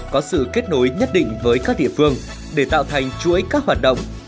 có sự kết nối nhất định với các địa phương để tạo thành chuỗi các hoạt động